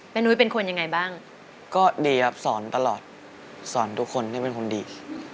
นุ้ยเป็นคนยังไงบ้างก็ดีครับสอนตลอดสอนทุกคนให้เป็นคนดี